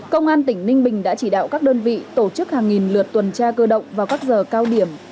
công an tỉnh ninh bình đã chỉ đạo các đơn vị tổ chức hàng nghìn lượt tuần tra cơ động vào các giờ cao điểm